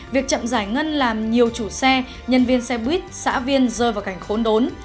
việc chậm giải ngân làm nhiều chủ xe nhân viên xe buýt xã viên rơi vào cảnh khốn đốn